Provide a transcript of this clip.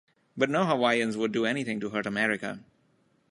But no Hawaiians would do anything to hurt America.